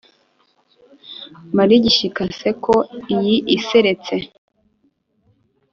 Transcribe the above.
Mare igishyika nseko iyi iseretse.